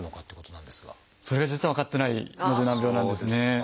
それが実は分かってないので難病なんですね。